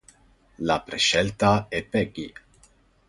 La prescelta è Peggy.